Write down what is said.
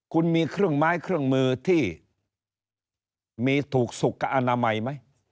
คุณมีเครื่องไม้เครื่องมือที่มีถูกสุขอนามัยไหม